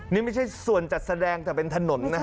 นี่ไม่ใช่ส่วนจัดแสดงแต่เป็นถนนนะฮะ